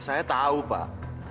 saya tahu pak